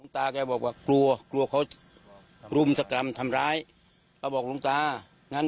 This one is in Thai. แกบอกว่ากลัวกลัวเขารุมสกรรมทำร้ายเขาบอกลุงตางั้น